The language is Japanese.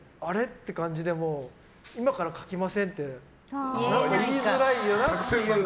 って感じでも今から書きませんって言いづらいよなって。